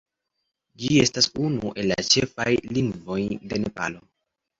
Ĝi estas unu el la ĉefaj lingvoj de Nepalo.